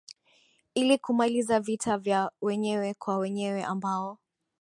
ili kumaliza vita vya wenyewe kwa wenyewe ambao